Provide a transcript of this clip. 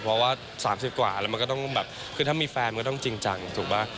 เพราะว่า๓๐กว่าแล้วมันก็ต้องแบบคือถ้ามีแฟนมันก็ต้องจริงจังถูกป่ะ